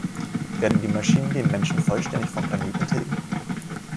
Werden die Maschinen den Menschen vollständig vom Planeten tilgen?